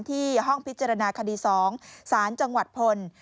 ห้องพิจารณาคดี๒สารจังหวัดพล